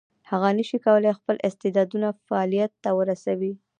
هغه نشي کولای خپل استعدادونه فعلیت ته ورسوي.